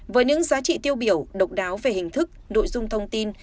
với những giá trị tiêu biểu độc đáo về hình thức nội dung thông tin